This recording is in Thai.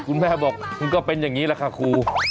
คุณแม่บอกมันก็เป็นอย่างนี้แหละค่ะครู